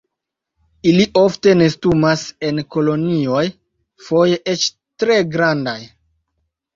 Ili ofte nestumas en kolonioj, foje eĉ tre grandaj.